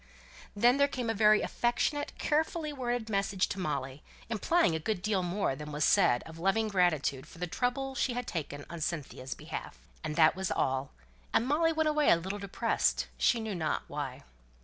Then there came a very affectionate, carefully worded message to Molly, implying a good deal more than was said of loving gratitude for the trouble she had taken on Cynthia's behalf. And that was all; and Molly went away a little depressed; she knew not why.